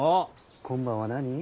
今晩は何！？